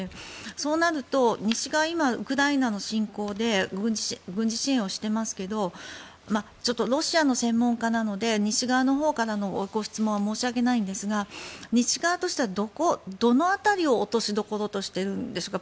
そうなると、西側はウクライナの侵攻で軍事支援をしてますけどロシアの専門家なので西側のほうからの質問は申し訳ないんですが西側としてはどの辺りを落としどころとしてるんでしょうか。